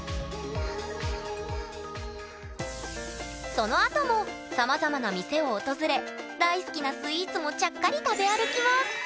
そのあともさまざまな店を訪れ大好きなスイーツもちゃっかり食べ歩きます